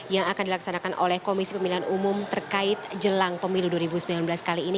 yang akan dilaksanakan oleh komisi pemilihan umum terkait jelang pemilu dua ribu sembilan belas kali ini